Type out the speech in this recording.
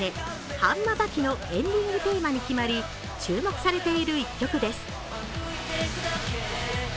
「範馬刃牙」のエンディングテーマに決まり、注目されている一曲です。